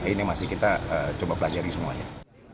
ini masih kita coba pelajari semuanya